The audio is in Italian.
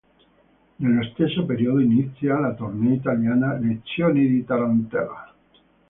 Nello stesso periodo inizia la tournée italiana "Lezioni di tarantella".